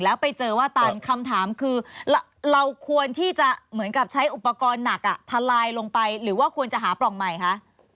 แล้วไปเจอว่าตันคำถามคือเราควรที่จะเหมือนกับใช้อุปกรณ์หนักทะลายลงไปหรือว่าควรจะหาปล่องใหม่คะ